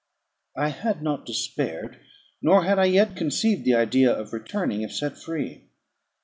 I had not despaired; nor had I yet conceived the idea of returning, if set free.